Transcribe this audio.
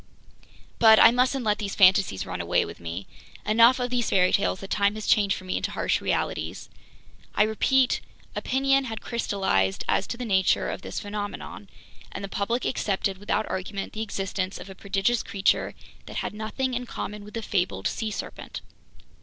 But I mustn't let these fantasies run away with me! Enough of these fairy tales that time has changed for me into harsh realities. I repeat: opinion had crystallized as to the nature of this phenomenon, and the public accepted without argument the existence of a prodigious creature that had nothing in common with the fabled sea serpent.